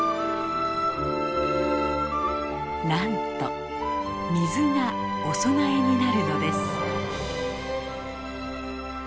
なんと水がお供えになるのです。